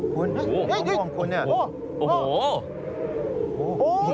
พวกมะม่วงคุณเนี่ยโอ้โหโอ้โหโอ้โห